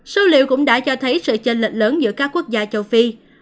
số liệu cũng đã cho thấy sự chênh lệch lớn giữa các quốc gia châu phi